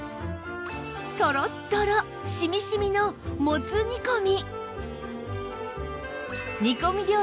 とろっとろしみしみのもつ煮込み